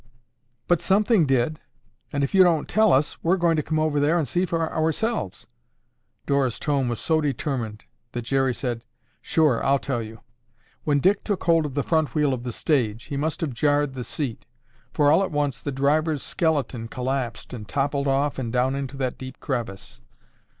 "But something did, and if you don't tell us, we'll come over there and see for ourselves." Dora's tone was so determined that Jerry said, "Sure I'll tell you. When Dick took hold of the front wheel of the stage, he must have jarred the seat, for, all at once, the driver's skeleton collapsed and toppled off and down into that deep crevice.